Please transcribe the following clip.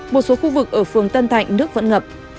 một số khu vực ở phường tân thạnh nước vẫn ngập